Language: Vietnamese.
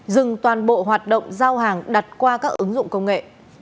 dừng toàn bộ hoạt động giao hàng đặt qua các ứng dụng công nghệ